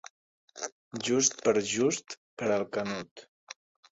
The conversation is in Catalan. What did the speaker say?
Just per just per al canut.